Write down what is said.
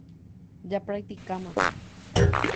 Japracticáma.